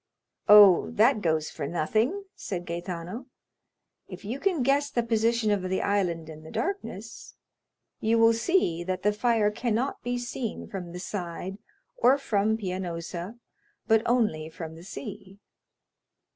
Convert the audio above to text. "Oh, that goes for nothing," said Gaetano. "If you can guess the position of the island in the darkness, you will see that the fire cannot be seen from the side or from Pianosa, but only from the sea."